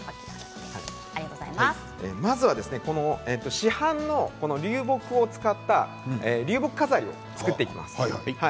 市販の流木を使った流木飾りを作っていきます。